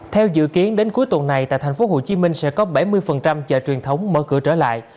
theo dự kiến đến cuối tuần này tại tp hcm sẽ có bảy mươi chợ truyền thống mở cửa trở lại